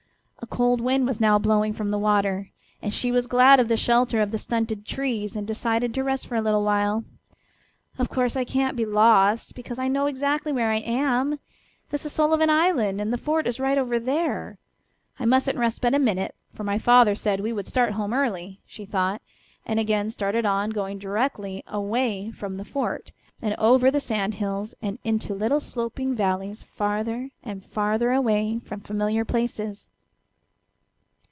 A cold wind was now blowing from the water, and she was glad of the shelter of the stunted trees, and decided to rest for a little while. "Of course I can't be lost, because I know exactly where I am. This is Sullivan Island, and the fort is right over there. I mustn't rest but a minute, for my father said we would start home early," she thought, and again started on, going directly away from the fort, and over sand hills and into little sloping valleys farther and farther away from familiar places.